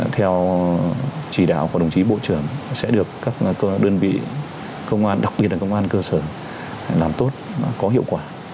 theo chỉ đạo của đồng chí bộ trưởng sẽ được các đơn vị công an đặc biệt là công an cơ sở làm tốt có hiệu quả